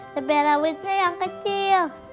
cabai rawitnya yang kecil